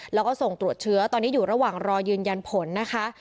แล้วก็ส่งตรวจเชื้อตอนนี้อยู่ระหว่างรอยืนยันผลนะคะ